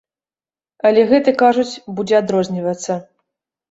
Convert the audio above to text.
Але гэты, кажуць, будзе адрознівацца.